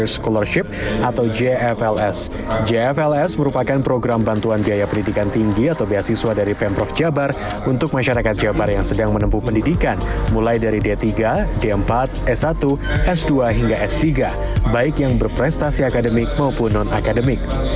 s satu s dua hingga s tiga baik yang berprestasi akademik maupun non akademik